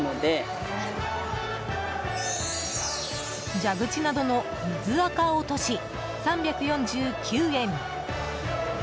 蛇口などの水垢落とし３４９円。